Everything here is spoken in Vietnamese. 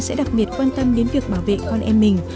sẽ đặc biệt quan tâm đến việc bảo vệ con em mình